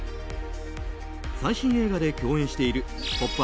最新映画で共演している「ポップＵＰ！」